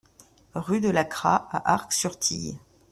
Rue de la Cras à Arc-sur-Tille